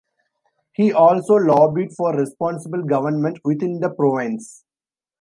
He also lobbied for responsible government within the province.